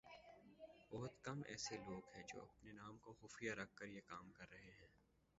بہت کم ایسے لوگ ہیں جو اپنے نام کو خفیہ رکھ کر یہ کام کررہے ہیں